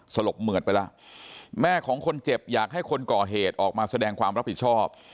สลบเหมือดไปแล้วแม่ของคนเจ็บอยากให้คนก่อเหตุออกมาแสดงความรับผิดชอบ